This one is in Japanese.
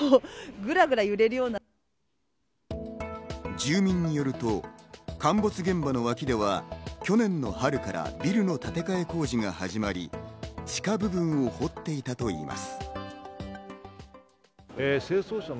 住民によると、陥没現場の脇では去年の春からビルの建て替え工事が始まり、地下部分を掘っていたといいます。